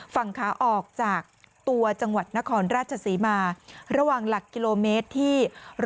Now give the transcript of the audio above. ฝั่งขาออกจากตัวจังหวัดนครราชศรีมาระหว่างหลักกิโลเมตรที่๑๐